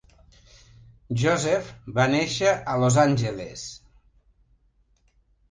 Joseph va néixer a Los Angeles.